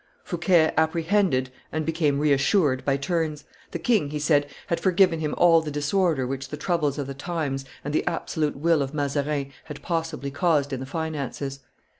Fouquet apprehended and became reassured by turns; the king, he said, had forgiven him all the disorder which the troubles of the times and the absolute will of Mazarin had possibly caused in the finances.